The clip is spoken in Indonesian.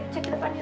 cek ke depan dia